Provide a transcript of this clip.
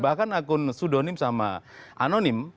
bahkan akun sudonim sama anonim